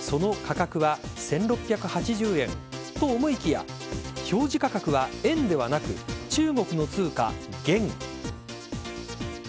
その価格は１６８０円と思いきや表示価格は円ではなく中国の通貨・元。